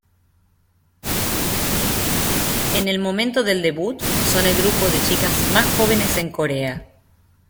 En el momento del debut, son el grupo de chicas más jóvenes en Corea.